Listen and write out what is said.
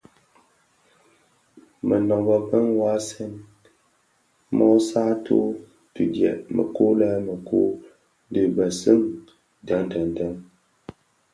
Mënôbö më vasèn mö satü tidyëk mëku lè mëku dhi binèsun deň deň deň.